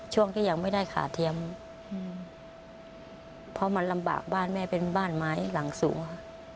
ช่วงที่ยังไม่ได้ขาเทียมเพราะมันลำบากบ้านแม่เป็นบ้านไม้หลังสูงค่ะ